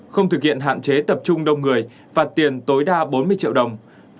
không thực hiện hạn chế tập trung đông người phạt tiền tối đa bốn mươi triệu đồng